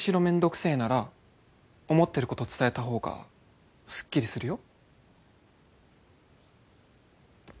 くせえなら思ってること伝えた方がスッキリするよ